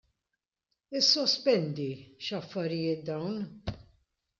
Issospendini, x'affarijiet dawn!